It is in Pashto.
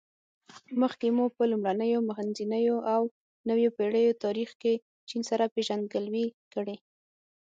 مخکې مو په لومړنیو، منځنیو او نویو پېړیو تاریخ کې چین سره پېژندګلوي کړې.